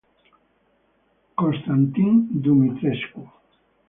Constantin Dumitrescu